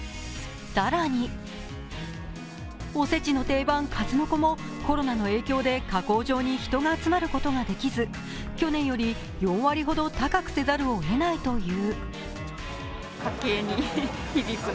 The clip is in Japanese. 更におせちの定番、数の子もコロナの影響で加工場に人が集まることができず、去年より４割ほど高くせざるをえないという。